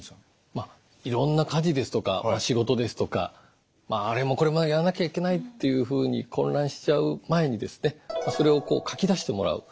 まあいろんな家事ですとか仕事ですとかあれもこれもやらなきゃいけないっていうふうに混乱しちゃう前にそれをこう書き出してもらう。